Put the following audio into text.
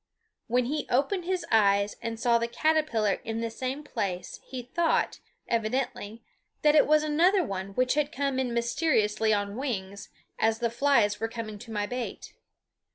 When he opened his eyes and saw the caterpillar in the same place, he thought, evidently, that it was another one which had come in mysteriously on wings, as the flies were coming to my bait.